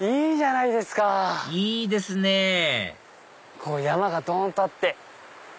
いいですねぇ山がドン！とあって。